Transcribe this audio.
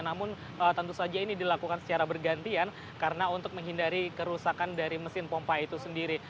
namun tentu saja ini dilakukan secara bergantian karena untuk menghindari kerusakan dari mesin pompa itu sendiri